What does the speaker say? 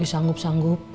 ya disanggup sanggupin